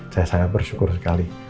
saya sangat bersyukur sekali